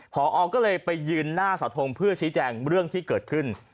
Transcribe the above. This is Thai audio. พอก็เลยไปยืนหน้าเสาทงเพื่อชี้แจงเรื่องที่เกิดขึ้น